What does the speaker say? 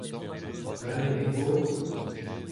dre he faot.